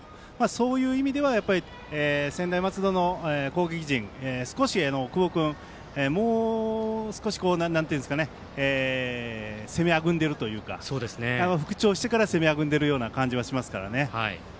そういう意味では専大松戸の攻撃陣は久保君に少し攻めあぐんでいるというか復調してから攻めあぐんでいるような感じがしますからね。